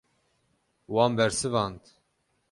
Wan bersivand.